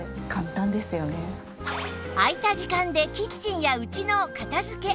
空いた時間でキッチンや家の片付け